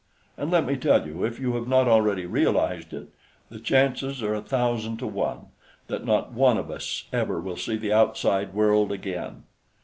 And let me tell you, if you have not already realized it, the chances are a thousand to one that not one of us ever will see the outside world again.